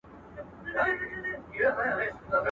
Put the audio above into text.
o پير که خس دئ، د مريد بس دئ.